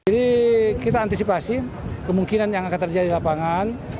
jadi kita antisipasi kemungkinan yang akan terjadi di lapangan